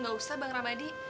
gak usah bang ramadi